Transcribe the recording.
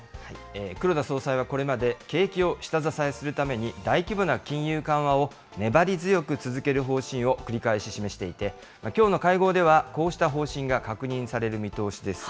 黒田総裁はこれまで、景気を下支えするために、大規模な金融緩和を粘り強く続ける方針を繰り返し示していて、きょうの会合ではこうした方針が確認される見通しです。